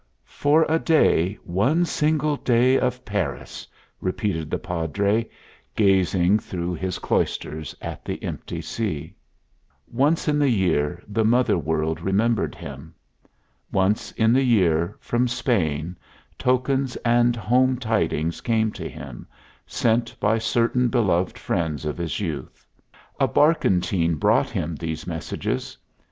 "For a day, one single day of Paris!" repeated the Padre, gazing through his cloisters at the empty sea. Once in the year the mother world remembered him. Once in the year, from Spain, tokens and home tidings came to him, sent by certain beloved friends of his youth. A barkentine brought him these messages.